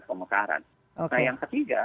pemekaran nah yang ketiga